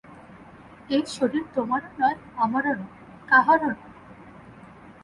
এই শরীর তোমারও নয়, আমারও নয়, কাহারও নয়।